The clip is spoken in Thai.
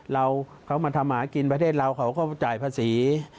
เราเขามาทำหากินประเทศเราเขาก็จ่ายภาษี